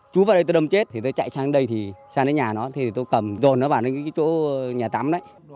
chú vào đây tôi đâm chết thì tôi chạy sang đây thì sang đến nhà nó thì tôi cầm rồn nó vào đến cái chỗ nhà tắm đấy